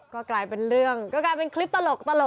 ก็กลายเป็นเรื่องก็กลายเป็นคลิปตลก